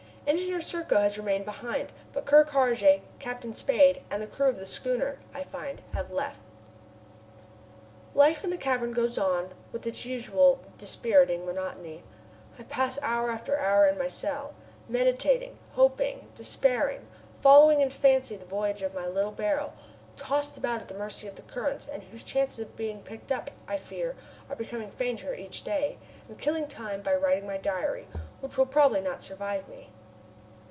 Engineer Serko has remained behind, but Ker Karraje, Captain Spade, and the crew of the schooner, I find, have left. Life in the cavern goes on with its usual dispiriting monotony. I pass hour after hour in my cell, meditating, hoping, despairing, following in fancy the voyage of my little barrel, tossed about at the mercy of the currents and whose chances of being picked up, I fear, are becoming fainter each day, and killing time by writing my diary, which will probably not survive me.